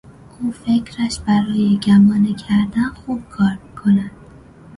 او فکرش برای گمانه کردن خوب کار میکند.